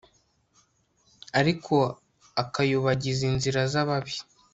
ariko akayobagiza inzira z'ababi